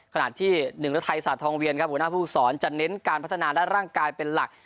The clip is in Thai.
ขณะที่หนึ่งฤทัยศาสตองเวียนครับหัวหน้าผู้สอนจะเน้นการพัฒนาด้านร่างกายเป็นหลัก